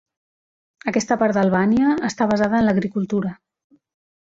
Aquesta part d'Albània està basada en l'agricultura.